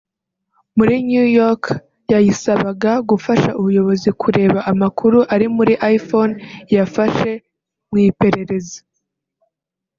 muri New York yayisabaga gufasha ubuyobozi kureba amakuru ari muri iPhone yafashe mu iperereza